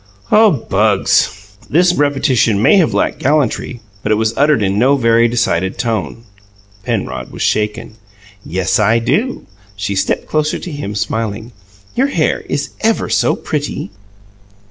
"Oh, Bugs!" This repetition may have lacked gallantry, but it was uttered in no very decided tone. Penrod was shaken. "Yes, I do!" She stepped closer to him, smiling. "Your hair is ever so pretty."